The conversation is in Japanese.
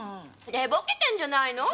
寝ぼけてんじゃないの？